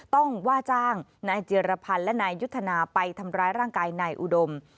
ว่าจ้างนายเจรพันธ์และนายยุทธนาไปทำร้ายร่างกายนายอุดม